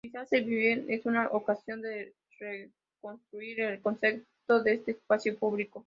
Si se hace bien, es una ocasión de reconstruir el concepto de espacio público